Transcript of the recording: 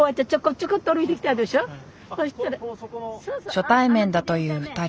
初対面だという２人。